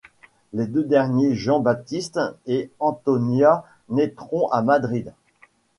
Les deux derniers Jean-Baptiste et Antonia naîtront à Madrid.